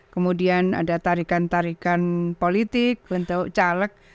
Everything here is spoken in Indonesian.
kemudian ada tarikan tarikan politik untuk caleg